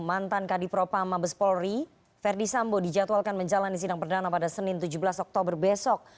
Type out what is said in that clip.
mantan kadipropa mabes polri verdi sambo dijadwalkan menjalani sidang perdana pada senin tujuh belas oktober besok